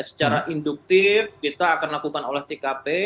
secara induktif kita akan lakukan olah tkp